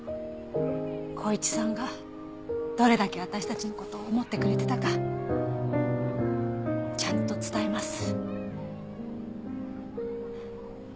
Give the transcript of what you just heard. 公一さんがどれだけ私たちの事を思ってくれていたかちゃんと伝えます。